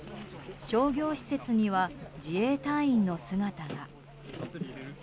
商業施設には自衛隊員の姿が。